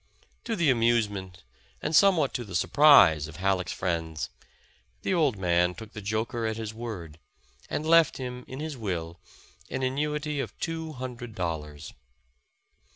To the amusement, and somewhat to the surprise of Halleck 's friends, the old man took the joker at his word, and left him in his will, an annuity of two hundred dol lars.